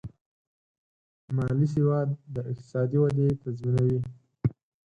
مالي سواد د اقتصادي ودې تضمینوي.